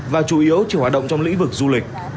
và chủ yếu chỉ hoạt động trong lĩnh vực du lịch